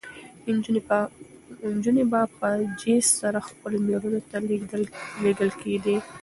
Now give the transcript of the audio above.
نجونې به په جېز سره خپلو مېړونو ته لېږل کېدې.